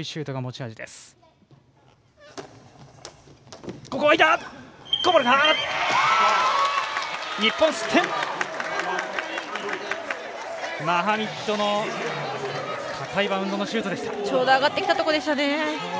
ちょうど上がってきたところでしたね。